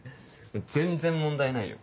全然問題ないよ。